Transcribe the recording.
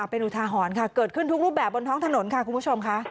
เป็นอุทาหรณ์ค่ะเกิดขึ้นทุกรูปแบบบนท้องถนนค่ะคุณผู้ชมค่ะ